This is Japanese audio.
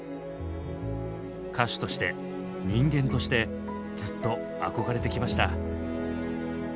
歌手として人間としてずっと憧れてきました。